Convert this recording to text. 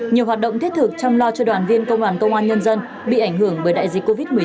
nhiều hoạt động thiết thực chăm lo cho đoàn viên công đoàn công an nhân dân bị ảnh hưởng bởi đại dịch covid một mươi chín